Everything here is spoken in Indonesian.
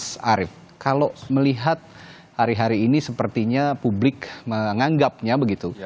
mas arief kalau melihat hari hari ini sepertinya publik menganggapnya begitu